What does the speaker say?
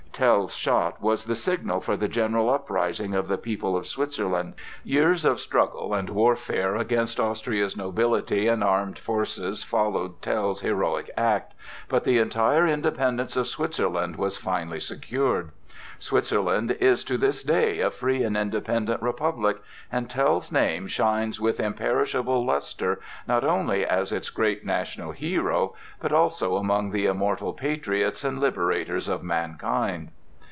Tell's shot was the signal for the general uprising of the people of Switzerland. Years of struggle and warfare against Austria's nobility and armed forces followed Tell's heroic act, but the entire independence of Switzerland was finally secured. Switzerland is to this day a free and independent republic, and Tell's name shines with imperishable lustre not only as its great national hero, but also among the immortal patriots and liberators of mankind.